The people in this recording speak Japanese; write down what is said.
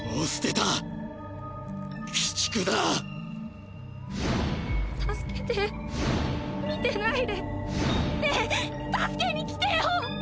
たすけて見てないでねえたすけに来てよ！